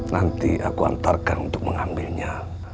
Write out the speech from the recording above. nanti aku antarkan untuk mengambilnya